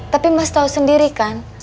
tapi mas tahu sendiri kan